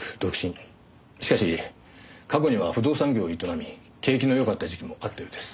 しかし過去には不動産業を営み景気のよかった時期もあったようです。